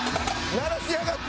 鳴らしやがった！